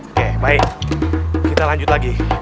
oke baik kita lanjut lagi